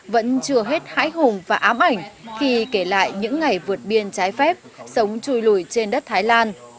vẫn chưa hết hãi hùng và ám ảnh khi kể lại những ngày vượt biên trái phép sống chui lùi trên đất thái lan